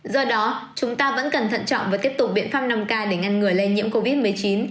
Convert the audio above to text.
do đó chúng ta vẫn cần thận trọng và tiếp tục biện pháp năm k để ngăn ngừa lây nhiễm covid một mươi chín